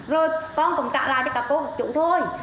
rồi con cũng trả lại cho các cô các chủ thôi